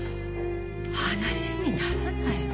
話にならないわ。